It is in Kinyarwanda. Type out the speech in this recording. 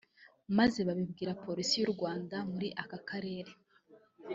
maze babibwira Polisi y’u Rwanda muri aka Karere